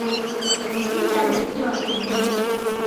Кит әле, дурак!